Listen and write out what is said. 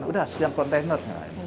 udah sekian kontainernya